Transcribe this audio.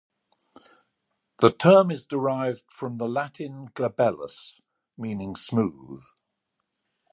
The term is derived from the Latin glabellus, meaning smooth.